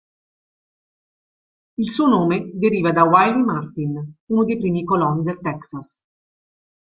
Il suo nome deriva da Wylie Martin, uno dei primi coloni del Texas.